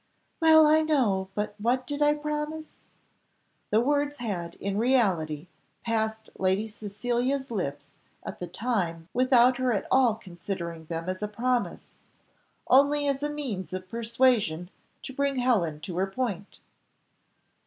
"Well, I know, but what did I promise?" The words had in reality passed Lady Cecilia's lips at the time without her at all considering them as a promise, only as a means of persuasion to bring Helen to her point.